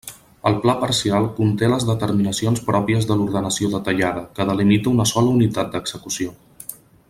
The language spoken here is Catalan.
El pla parcial conté les determinacions pròpies de l'ordenació detallada, que delimita una sola unitat d'execució.